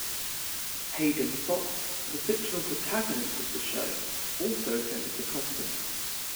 Hayden Fox, the fictional protagonist of the show, also attended the conference.